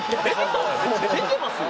出てますよ。